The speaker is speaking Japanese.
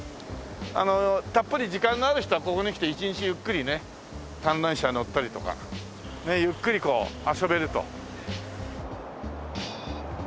たっぷり時間がある人はここに来て一日ゆっくりね観覧車乗ったりとかゆっくりこう遊べると。